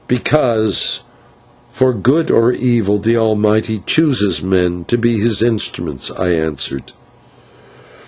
"Because for good or evil the Almighty chooses men to be His instruments," I answered.